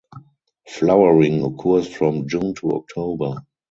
Flowering occurs from June to October.